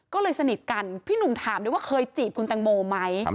ก็เลยสนิทกันพี่หนุ่มถามด้วยว่าเคยจีบคุณตังโมไหม